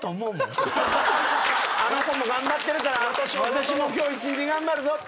あの子も頑張ってるから私も今日一日頑張るぞ。